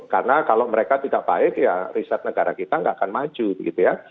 karena kalau mereka tidak baik ya riset negara kita nggak akan maju gitu ya